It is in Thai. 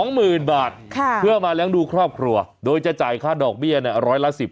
๒หมื่นบาทเพื่อมาแรงดูครอบครัวโดยจะจ่ายค่าดอกเบี้ยเนี่ย๑๐๐ละ๑๐